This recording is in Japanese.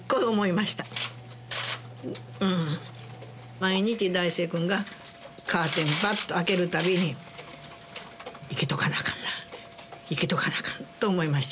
毎日大助君がカーテンパッと開けるたびに生きとかなあかんな生きとかなあかんと思いました。